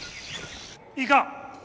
いいか！